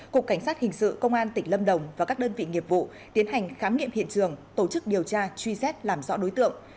cục cảnh sát hình sự công an tỉnh lâm đồng và các đơn vị nghiệp vụ tiến hành khám nghiệm hiện trường tổ chức điều tra truy xét làm rõ đối tượng